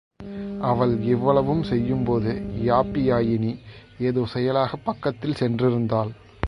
அவள் இவ்வளவும் செய்யும்போது யாப்பியாயினி ஏதோ செயலாகப் பக்கத்தில் சென்றிருந்தாள்.